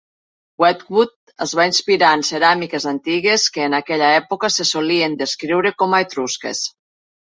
Wedgwood es va inspirar en ceràmiques antigues que en aquella època se solien descriure com a etrusques.